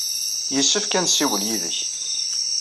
Yessefk ad nessiwel yid-k.